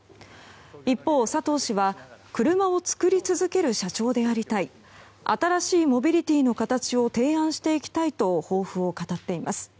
一方、佐藤氏は車を作り続ける社長でありたい新しいモビリティーの形を提案していきたいと抱負を語っています。